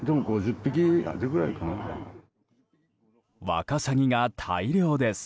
ワカサギが大漁です。